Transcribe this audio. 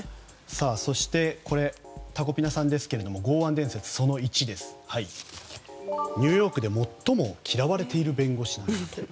そして、タコピナさんの剛腕伝説その１ニューヨークで最も嫌われている弁護士と。